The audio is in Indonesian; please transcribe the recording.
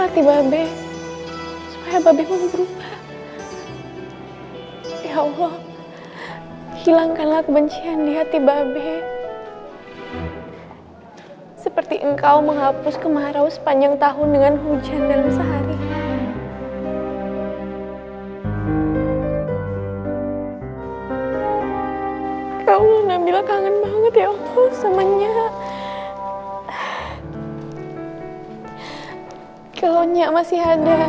terima kasih terima kasih sekali terima kasih